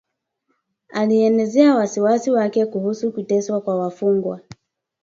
Alielezea wasiwasi wake kuhusu kuteswa kwa wafungwa